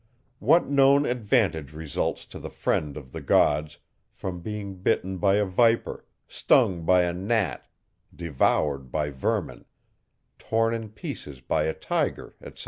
What known advantage results to the friend of the gods, from being bitten by a viper, stung by a gnat, devoured by vermin, torn in pieces by a tiger, etc.?